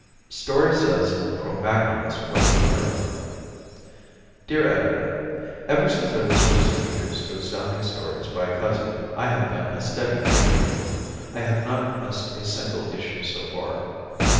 Story Says Cro Magnons Fled to Europe Dear Editor: Ever since I was first introduced to Astounding Stories by a cousin I have been a steady reader. I have not missed a single issue so far.